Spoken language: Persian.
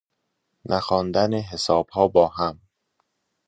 نخواندن حسابها با هم